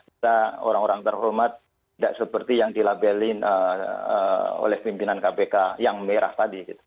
kita orang orang terhormat tidak seperti yang dilabelin oleh pimpinan kpk yang merah tadi